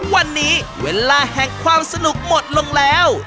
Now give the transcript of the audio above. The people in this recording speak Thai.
วันนี้เวลาแห่งความสนุกหมดลงแล้ว